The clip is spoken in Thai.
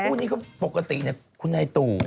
โอ๊ยนี่เขาปกติคุณนายตู่